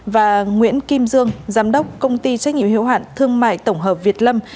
và nguyễn kim dương giám đốc công ty trách nhiệm hiếu hạn thương mại tổng hợp việt lâm